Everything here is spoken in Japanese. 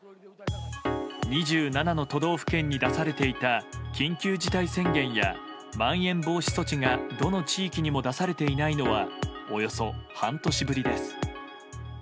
２７の都道府県に出されていた緊急事態宣言やまん延防止措置がどの地域にも出されていないのはおよそ半年ぶりです。